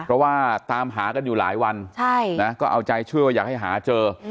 เพราะว่าตามหากันอยู่หลายวันก็เอาใจช่วยอยากให้หาเจอ